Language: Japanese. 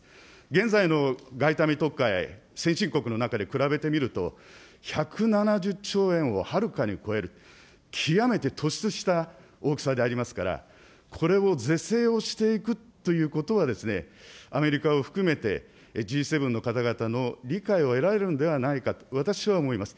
現在の外為特会、先進国の中で比べてみると、１７０兆円をはるかに超える、極めて突出した大きさでありますから、これを是正をしていくということは、アメリカを含めてＧ７の方々の理解を得られるんではないかと私は思います。